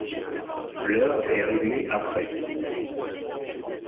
L'heure est réglée à près.